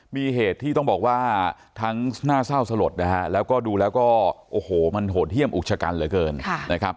มีเหตุที่ต้องบอกว่าทั้งน่าเศร้าสลดนะฮะแล้วก็ดูแล้วก็โอ้โหมันโหดเยี่ยมอุกชะกันเหลือเกินนะครับ